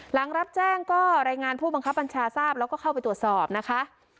หลังรับแจ้งก็รายงานผู้บังคับบัญชาทราบแล้วก็เข้าไปตรวจสอบนะคะ